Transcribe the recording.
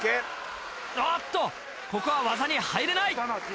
あっとここは技に入れない。